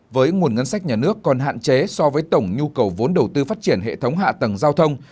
với nguồn ngân sách nhà nước còn hạn chế so với tổng nhu cầu vốn đầu tư phát triển hệ thống hạ tầng giao thông